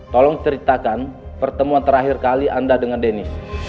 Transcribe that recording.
tolong ceritakan pertemuan terakhir kali anda dengan denny